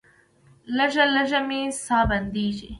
لږه لږه مې ساه بندیږي.